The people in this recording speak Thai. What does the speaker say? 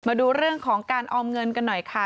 มาดูเรื่องของการออมเงินกันหน่อยค่ะ